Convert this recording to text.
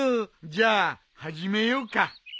じゃあ始めようか。